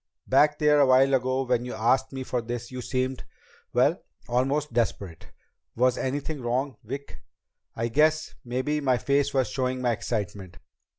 "Back there a while ago, when you asked me for this, you seemed well, almost desperate. Was anything wrong, Vic?" "I guess maybe my face was showing my excitement."